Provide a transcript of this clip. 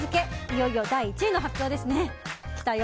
いよいよ第１位の発表ですね。